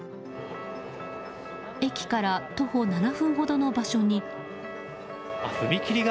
駅から徒歩７分ほどの場所に。